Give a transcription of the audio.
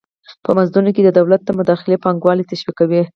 په مزدونو کې د دولت نه مداخله پانګوال تشویقوي.